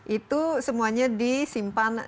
itu semuanya disimpan